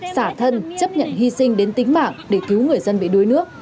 xả thân chấp nhận hy sinh đến tính mạng để cứu người dân bị đuối nước